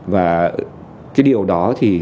và cái điều đó thì